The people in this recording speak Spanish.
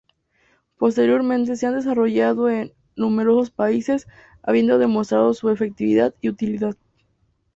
Posteriormente se han desarrollado en numerosos países, habiendo demostrado su efectividad y utilidad.